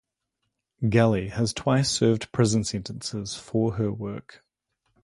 Gali has twice served prison sentences for her work.